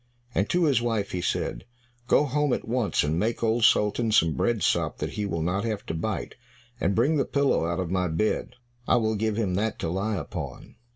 And to his wife he said, "Go home at once and make Old Sultan some bread sop that he will not have to bite, and bring the pillow out of my bed, I will give him that to lie upon."